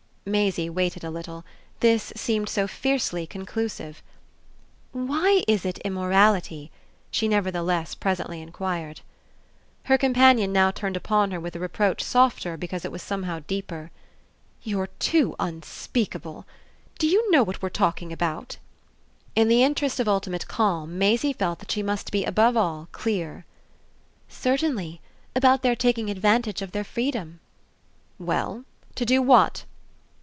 Maisie waited a little; this seemed so fiercely conclusive. "Why is it immorality?" she nevertheless presently enquired. Her companion now turned upon her with a reproach softer because it was somehow deeper. "You're too unspeakable! Do you know what we're talking about?" In the interest of ultimate calm Maisie felt that she must be above all clear. "Certainly; about their taking advantage of their freedom." "Well, to do what?"